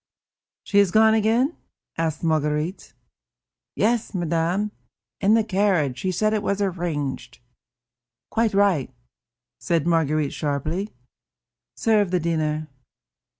"She has gone again?" asked Marguerite. "Yes, madame, in the carriage; she said it was arranged." "Quite right," said Marguerite sharply. "Serve the dinner."